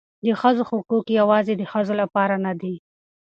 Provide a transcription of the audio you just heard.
د ښځو حقوق یوازې د ښځو لپاره نه دي.